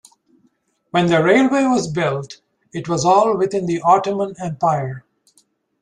When the railway was built it was all within the Ottoman Empire.